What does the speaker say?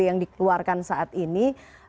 yang dikeluarkan saat ini